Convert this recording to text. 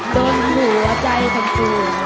โดนหัวใจทั้งสวย